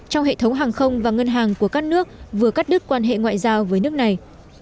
trong hệ thống hàng không và ngân hàng của các nước vừa cắt đứt quan hệ ngoại giao với nước này